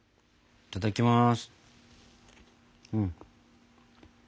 いただきます。